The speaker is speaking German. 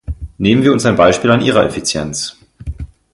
Nehmen wir uns ein Beispiel an ihrer Effizienz!